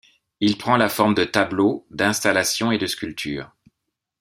Il prend la forme de tableaux, d’installations et de sculptures.